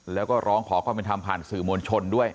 แล้วก็ร้องขอความเป็นทำผ่านภารกษรหมวนชนด้วย